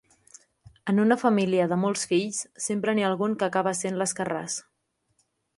En una família de molts fills, sempre n'hi ha algun que acaba essent l'escarràs.